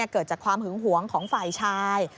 เกิดจากความหึงหวงของฝ่ายชาย